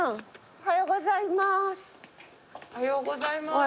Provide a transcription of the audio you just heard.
おはようございます。